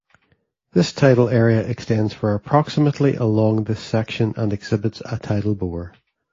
This tidal area extends for approximately along this section and exhibits a tidal bore.